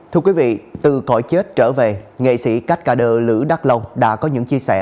thưa quý vị từ khỏi chết trở về nghệ sĩ cát cà đơ lữ đắc lông đã có những chia sẻ